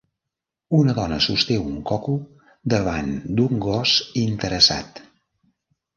Una dona sosté un coco davant d'un gos interessat.